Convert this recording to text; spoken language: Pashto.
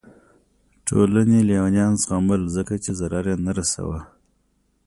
ټولنې لیونیان زغمل ځکه چې ضرر یې نه رسوه.